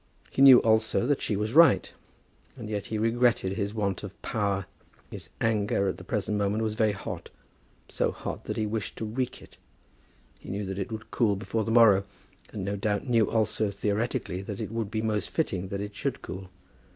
He knew also that she was right; and yet he regretted his want of power. His anger at the present moment was very hot, so hot that he wished to wreak it. He knew that it would cool before the morrow; and, no doubt, knew also theoretically, that it would be most fitting that it should cool.